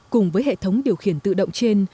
cùng với hệ thống điều khiển tự động trên